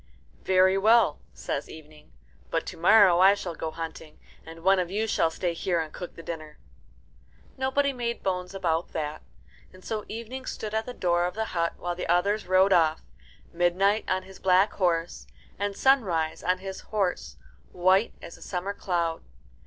"Very well," says Evening; "but to morrow I shall go hunting, and one of you shall stay here and cook the dinner." Nobody made bones about that, and so Evening stood at the door of the hut while the others rode off Midnight on his black horse, and Sunrise on his horse, white as a summer cloud.